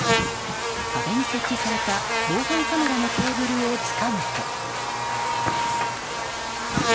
壁に設置された防犯カメラのケーブルをつかむと。